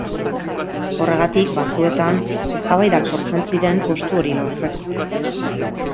Horregatik batzuetan eztabaidak sortzen ziren postu hori lortzeko.